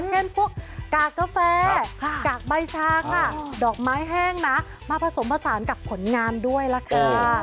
เช่นพวกกากกาแฟกากใบชาค่ะดอกไม้แห้งนะมาผสมผสานกับผลงานด้วยล่ะค่ะ